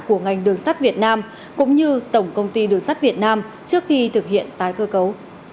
của ngành đường sắt việt nam cũng như tổng công ty đường sắt việt nam trước khi thực hiện tái cơ cấu